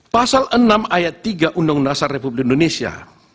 pasal enam ayat tiga undang undang dasar republik indonesia